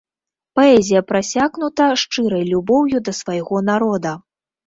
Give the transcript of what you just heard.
Паэзія прасякнута шчырай любоўю да свайго народа.